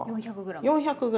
４００ｇ。